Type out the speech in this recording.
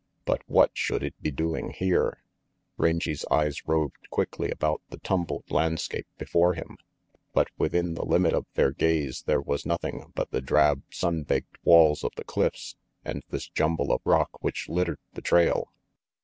But what should it be doing here? Rangy's eyes roved quickly about the tumbled 322 RANGY PETE landscape before him, but within the limit of their gaze there was nothing but the drab, sun baked walls of the cliffs and this jumble of rock which littered the trail.